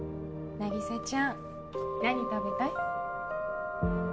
凪沙ちゃん何食べたい？